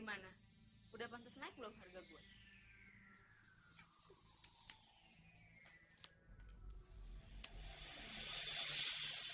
gimana udah pantes naik belum harga gue